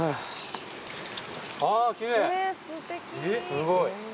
すごい。